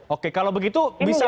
oke kalau begitu bisa